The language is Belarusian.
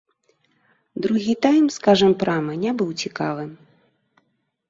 Другі тайм, скажам прама, не быў цікавым.